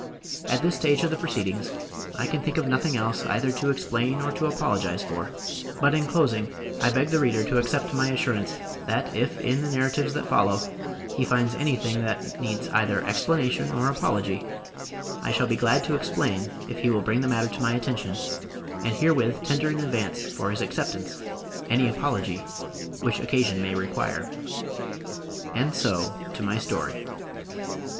At this stage of the proceedings I can think of nothing else either to explain or to apologize for, but in closing I beg the reader to accept my assurance that if in the narratives that follow he finds anything that needs either explanation or apology, I shall be glad to explain if he will bring the matter to my attention, and herewith tender in advance for his acceptance any apology which occasion may require. And so to my story.